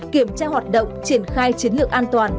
kiểm tra hoạt động triển khai chiến lược an toàn